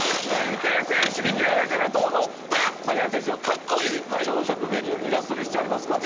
池江選手に見られてると思った嵯峨根選手のカッコいい朝食メニューイラストにしております